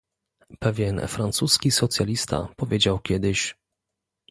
Pewien francuski socjalista powiedział kiedyś